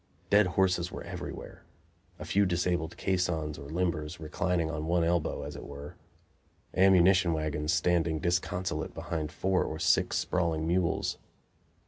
Dead horses were everywhere; a few disabled caissons, or limbers, reclining on one elbow, as it were; ammunition wagons standing disconsolate behind four or six sprawling mules.